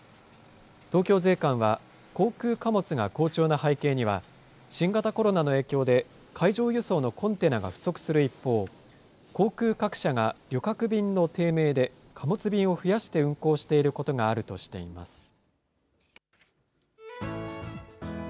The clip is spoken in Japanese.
東京税関は、航空貨物が好調な背景には、新型コロナの影響で、海上輸送のコンテナが不足する一方、航空各社が旅客便の低迷で、貨物便を増やして運航していることがあるとしています。